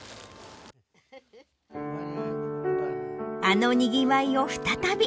あのにぎわいを再び。